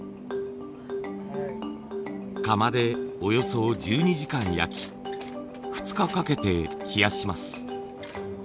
窯でおよそ１２時間焼き２日かけて冷やします。